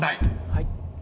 はい。